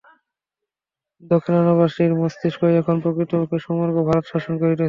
দাক্ষিণাত্যবাসীর মস্তিষ্কই এখন প্রকৃতপক্ষে সমগ্র ভারত শাসন করিতেছে।